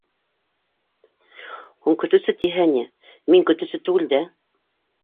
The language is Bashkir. — Һуң, көтөүсе тиһә ни, мин көтөүсе түгел дә.